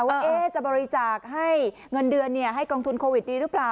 ว่าจะบริจาคให้เงินเดือนให้กองทุนโควิดดีหรือเปล่า